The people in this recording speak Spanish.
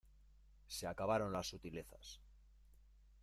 se acabaron las sutilezas.